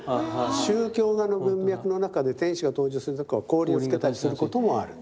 宗教画の文脈の中で天使が登場する時は光輪をつけたりすることもある。